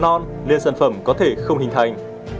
gọi là mua lừa non nên sản phẩm có thể không hình thành